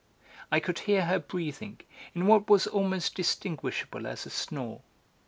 I could hear her breathing, in what was almost distinguishable as a snore.